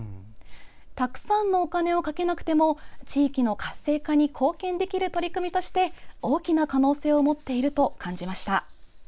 たくさんのお金をかけなくても地域の活性化に貢献できる取り組みとして、大きな可能性を持っていると感じました。